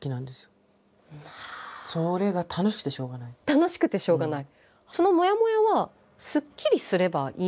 楽しくてしょうがない。